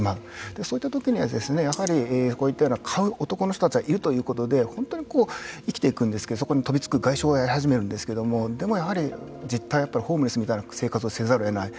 そういったときにやはりこういったような買う男の人たちがいるということで生きていくんですけどそこに飛びつく街しょうがいるんですけれどもでもやはり実態はホームレスみたいな生活をざるを得ない。